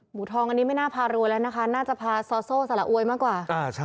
ทองอันนี้ไม่น่าพารัวแล้วนะคะน่าจะพาซอโซ่สละอวยมากกว่า